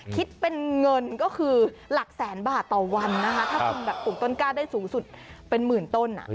คิดเป็นเงินก็คือหลักแสนบาทต่อวันนะคะถ้าคุณแบบปลูกต้นกล้าได้สูงสุดเป็นหมื่นต้น